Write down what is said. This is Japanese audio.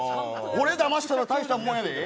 俺、だましたの、大したもんやで。